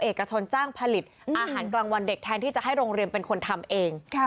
เอกชนจ้างผลิตอาหารกลางวันเด็กแทนที่จะให้โรงเรียนเป็นคนทำเอง